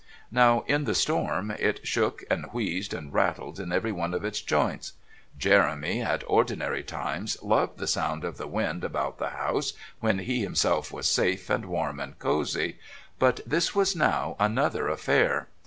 Now, in the storm, it shook and wheezed and rattled in every one of its joints. Jeremy, at ordinary times, loved the sound of the wind about the house, when he himself was safe and warm and cosy; but this was now another affair.